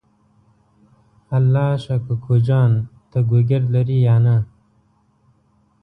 الله شا کوکو جان ته ګوګرد لرې یا نه؟